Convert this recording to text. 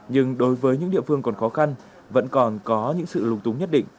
nhưng đối với những địa phương còn khó khăn vẫn còn có những sự lung túng nhất định